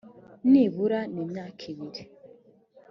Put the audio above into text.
nibura n imyaka ibiri